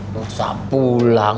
nggak usah pulang